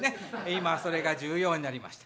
今それが重要になりました。